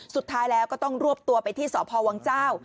สุดท้ายแล้วก็ต้องรวบตัวไปที่สพวังเจ้า